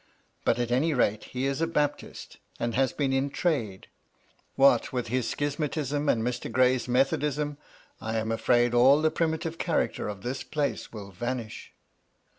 But, at any rate, he is a Baptist, and has been in trade. What with his schismatism and Mr. Gray's methodism, I am afraid all the primitive character of this place will vanish."